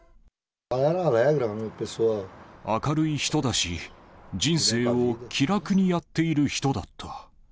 明るい人だし、人生を気楽にやっている人だった。